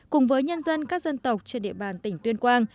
cùng với nhân dân các dân tộc trên địa bàn tỉnh tuyên quang